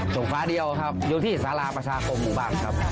ส่งฝาเดียวครับอยู่ที่สาราประชาคมบางครับ